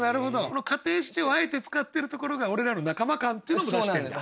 この「仮定して」をあえて使ってるところが俺らの仲間感っていうのも出してんだ。